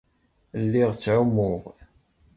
Lliɣ ttɛumuɣ.